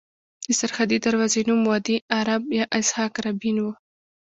د سرحدي دروازې نوم وادي عرب یا اسحاق رابین وو.